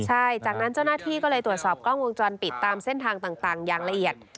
ใช่จากนั้นเจ้าหน้าที่ก็เลยตรวจสอบกล้องวงจรปิดตามเส้นทางต่างอย่างละเอียด